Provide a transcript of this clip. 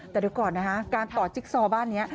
แต่ดูก่อนนะคะการต่อจิ๊กซอร์บ้านนี้